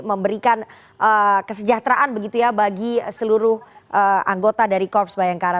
memberikan kesejahteraan begitu ya bagi seluruh anggota dari korps bayangkara